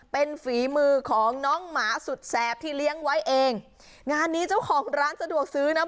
เป็นฝีมือของน้องหมาสุดแสบที่เลี้ยงไว้เองงานนี้เจ้าของร้านสะดวกซื้อนะ